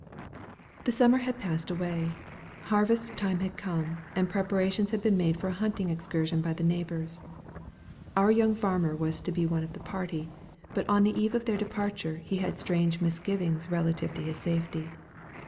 The summer had passed away. Harvest time had come and gone, and preparations had been made for a hunting excursion by the neighbors. Our young farmer was to be one of the party; but on the eve of their departure he had strange misgivings relative to his safety.